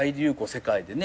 世界でね。